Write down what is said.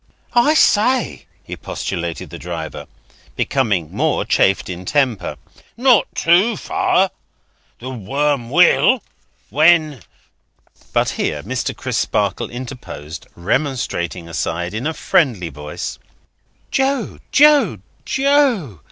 "I say!" expostulated the driver, becoming more chafed in temper, "not too fur! The worm will, when—" But here, Mr. Crisparkle interposed, remonstrating aside, in a friendly voice: "Joe, Joe, Joe!